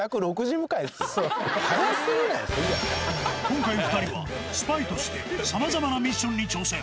今回２人は、スパイとしてさまざまなミッションに挑戦。